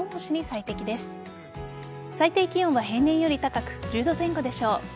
最低気温は平年より高く１０度前後でしょう。